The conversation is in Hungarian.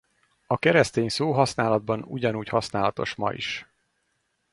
A keresztény szóhasználatban ugyanúgy használatos ma is.